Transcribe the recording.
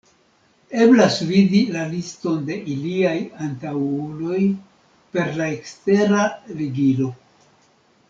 Eblas vidi la liston de iliaj antaŭuloj per la ekstera ligilo.